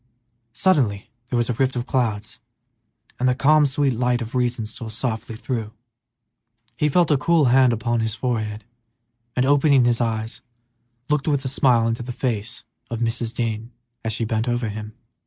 Suddenly there was a rift in the clouds, and the calm, sweet light of reason stole softly through. He felt a cool hand on his forehead, and, opening his eyes, looked with a smile into the face of Mrs. Dean as she bent over him.